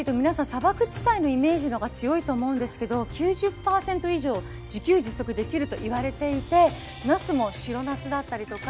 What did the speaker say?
砂漠地帯のイメージのほうが強いと思うんですけど９０％以上自給自足できるといわれていてなすも白なすだったりとか。